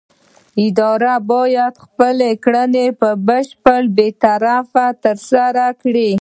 اداره باید خپلې کړنې په بشپړه بې طرفۍ ترسره کړي.